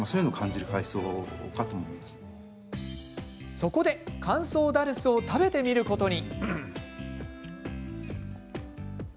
そこで乾燥ダルスを食べてみることに。